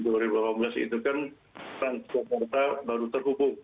karena penerimaan dua ribu delapan belas itu kan transkonsultasi baru terhubung